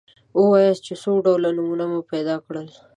ووایاست چې څو ډوله نومونه مو پیدا کړل.